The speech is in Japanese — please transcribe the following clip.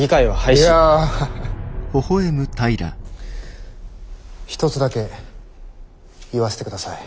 いや一つだけ言わせてください。